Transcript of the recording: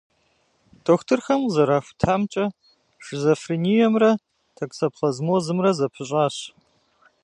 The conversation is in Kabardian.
Дохутырхэм къызэрахутамкӏэ, шизофрениемрэ токсоплазмозымрэ зэпыщӏащ.